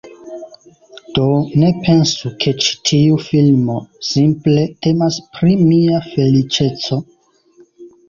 Do, ne pensu ke ĉi tiu filmo simple temas pri mia feliĉeco